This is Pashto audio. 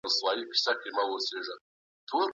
د پخوانیو کښتیو په واسطه د سوداګرۍ حجم څومره و؟